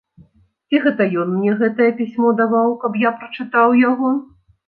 Ці гэта ён мне гэтае пісьмо даваў, каб я прачытаў яго?